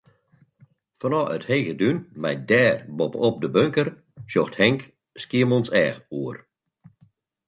Fanôf it hege dún mei dêr boppe-op de bunker, sjocht Henk Skiermûntseach oer.